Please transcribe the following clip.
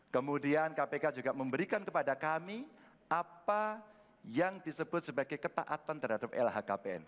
kemudian kpk juga memberikan kepada kami apa yang disebut sebagai ketaatan terhadap lhkpn